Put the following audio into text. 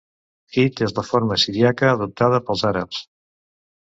Hit és la forma siríaca adoptada pels àrabs.